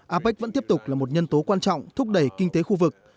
apec vẫn tiếp tục là một nhân tố quan trọng thúc đẩy kinh tế khu vực